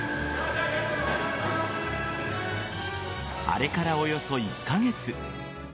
あれからおよそ１カ月。